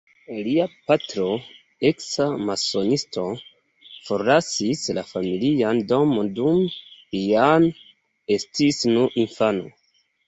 Lia patro, eksa masonisto, forlasis la familian domon dum Jan estis nur infano.